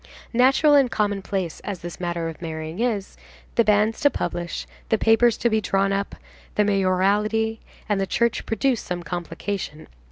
Natural and commonplace as this matter of marrying is, the banns to publish, the papers to be drawn up, the mayoralty, and the church produce some complication.